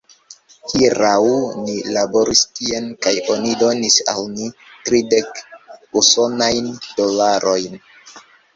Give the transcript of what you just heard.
Hieraŭ ni laboris tien kaj oni donis al ni tridek usonajn dolarojn.